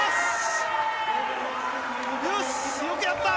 よくやった！